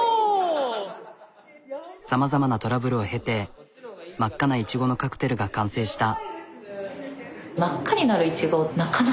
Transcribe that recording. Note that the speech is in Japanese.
さまざまなトラブルを経て真っ赤ないちごのカクテルが完成した。